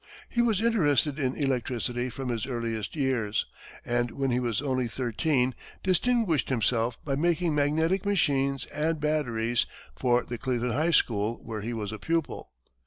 He was interested in electricity from his earliest years, and when he was only thirteen, distinguished himself by making magnetic machines and batteries for the Cleveland high school, where he was a pupil.